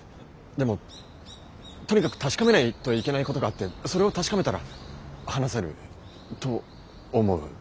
でもとにかく確かめないといけないことがあってそれを確かめたら話せると思う。